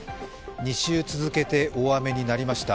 ２週続けて大雨になりました。